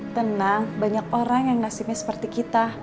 tenang banyak orang yang nasibnya seperti kita